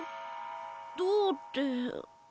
どうって。